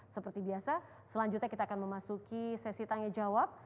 seperti biasa selanjutnya kita akan memasuki sesi tanya jawab